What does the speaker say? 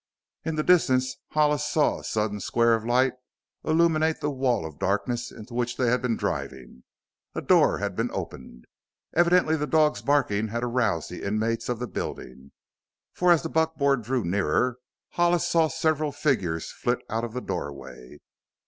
In the distance Hollis saw a sudden square of light illuminate the wall of darkness into which they had been driving; a door had been opened. Evidently the dog's barking had aroused the inmates of the building, for as the buckboard drew nearer Hollis saw several figures flit out of the door way.